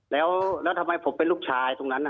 แล้วทำไมผมเป็นลูกชายตรงนั้น